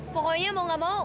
pokoknya mau nggak mau